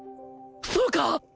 そうか！